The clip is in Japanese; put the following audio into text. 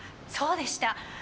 そうでした。